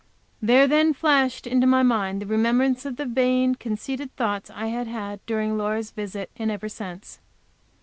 There then flashed into my mind the remembrance of the vain, conceited thoughts I had had during Laura's visit and ever since.